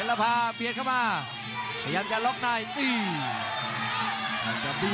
โอ้โหโอ้โหโอ้โห